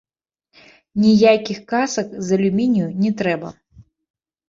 Ніякіх касак з алюмінію не трэба.